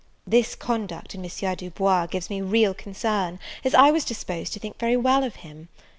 This conduct in M. du Bois gives me real concern, as I was disposed to think very well of him.